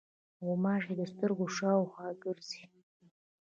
غوماشې د سترګو شاوخوا ګرځي.